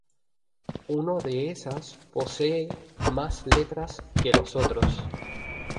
Uno de esas posee más letras que los otros.